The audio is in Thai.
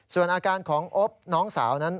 ส่วนอาการของอบน้องสาวนั้น